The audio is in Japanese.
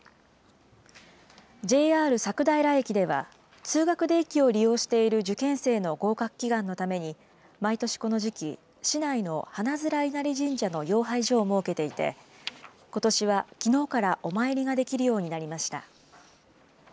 ＪＲ佐久平駅では、通学で駅を利用している受験生の合格祈願のために、毎年この時期、市内の鼻顔稲荷神社のよう拝所を設けていて、ことしはきのうからお参りができるようになりました。